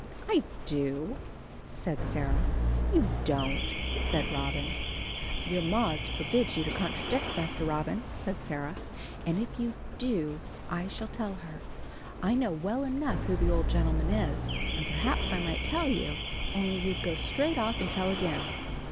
"I do," said Sarah. "You don't," said Robin. "Your ma's forbid you to contradict, Master Robin," said Sarah; "and if you do I shall tell her. I know well enough who the old gentleman is, and perhaps I might tell you, only you'd go straight off and tell again."